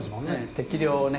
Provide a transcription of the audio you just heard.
適量をね。